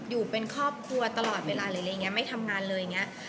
อยู่เป็นครอบครัวตลอดเวลาแบบไม่ทำงานเลย